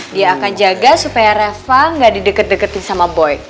dia akan jaga supaya reva gak didekat deketin sama boy